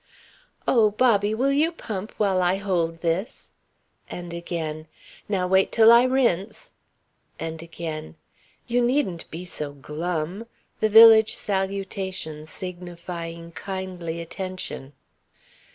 "Oh, Bobby, will you pump while I hold this?" And again: "Now wait till I rinse." And again: "You needn't be so glum" the village salutation signifying kindly attention.